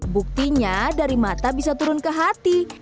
buktinya dari mata bisa turun ke hati